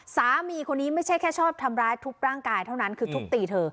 สามีคนนี้ไม่ใช่แค่ชอบทำร้ายทุบร่างกายเท่านั้นคือทุบตีเธอ